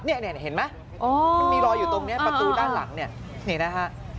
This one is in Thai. นี่เห็นไหมมันมีรอยอยู่ตรงนี้ประตูด้านหลังเนี่ยนี่นะฮะ